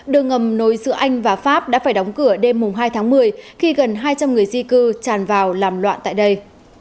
đường ngầm nối giữa anh và pháp đã phải đóng cửa đêm hai tháng một mươi khi gần hai trăm linh người di cư tràn vào làm loạn tại đây